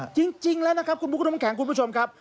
จริงแล้วนะครับคุณบุ๊คน้ำแข็งคุณผู้ชมครับ